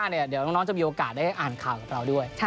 เดี๋ยวน้องจะมีโอกาสได้อ่านข่าวกับเราด้วย